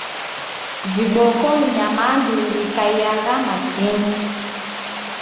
Viboko ni nyamandu rikaiyagha machinyi